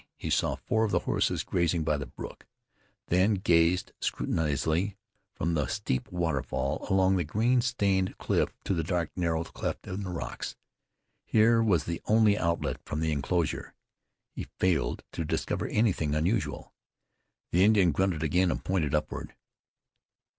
He saw four of the horses grazing by the brook; then gazed scrutinizingly from the steep waterfall, along the green stained cliff to the dark narrow cleft in the rocks. Here was the only outlet from the inclosure. He failed to discover anything unusual. The Indian grunted again, and pointed upward.